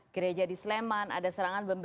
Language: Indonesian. gereja di sleman ada serangan